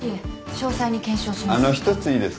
詳細に検証します。